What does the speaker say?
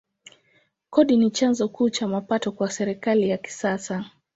Kodi ni chanzo kuu cha mapato kwa serikali ya kisasa.